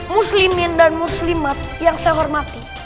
muslimin dan muslimat yang saya hormati